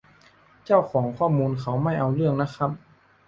เจ้าของข้อมูลเขาไม่เอาเรื่องนะครับ